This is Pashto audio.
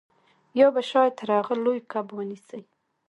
یا به شاید تر هغه هم لوی کب ونیسئ